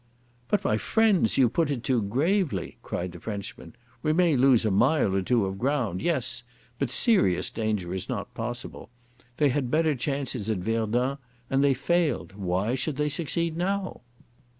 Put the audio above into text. "But, my friends, you put it too gravely," cried the Frenchman. "We may lose a mile or two of ground—yes. But serious danger is not possible. They had better chances at Verdun and they failed. Why should they succeed now?"